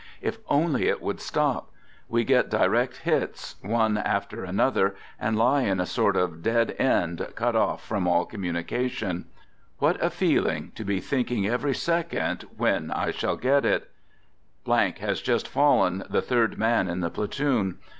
If only it would stop! We get direct Digitized by 132 "THE GOOD SOLDIER 99 hits one after another and lie in a sort of dead end, cut off from all communication. What a feeling to be thinking every second when I shall get it. has just fallen, the third man in the platoon.